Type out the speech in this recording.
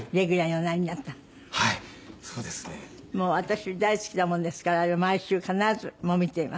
もう私大好きなもんですからあれ毎週必ず見ています。